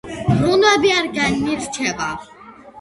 ბრუნვები არ განირჩევა.